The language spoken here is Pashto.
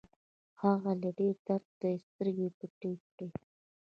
له ډېره درده يې سترګې پټې کړې.